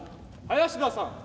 林田さん。